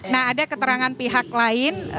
nah ada keterangan pihak lain